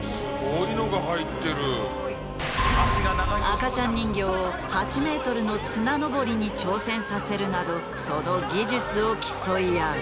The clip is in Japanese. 赤ちゃん人形を８メートルの綱登りに挑戦させるなどその技術を競い合う。